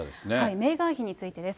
メーガン妃についてです。